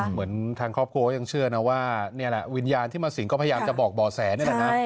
เหมือนทางครอบครัวก็ยังเชื่อว่าวิญญาณที่มาสิงห์ก็พยายามจะบอกบ่อแสน